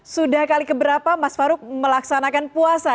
sudah kali keberapa mas farouk melaksanakan puasa